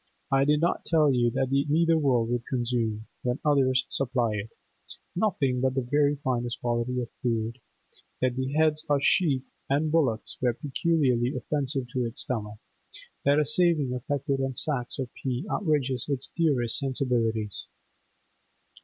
I need not tell you that the nether world will consume—when others supply it—nothing but the very finest quality of food, that the heads of sheep and bullocks are peculiarly offensive to its stomach, that a saving effected on sacks of peas outrages its dearest sensibilities.